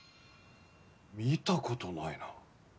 見たことないな。